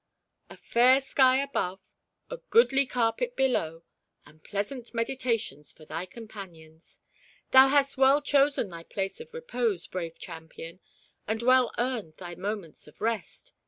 " A fair sky above, a goodly carpet below, and plea sant meditations for thy companions ! Thou hast well chosen thy place of repose, brave champion, and well earned thy moments of rest